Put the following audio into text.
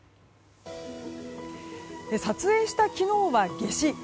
撮影した昨日は夏至。